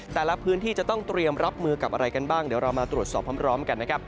แต่ละพื้นที่จะต้องเตรียมรับมือกับอะไรกันบ้างเดี๋ยวเรามาตรวจสอบพร้อมกันนะครับ